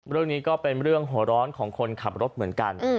เรื่องนี้ก็เป็นเรื่องหัวร้อนของคนขับรถเหมือนกัน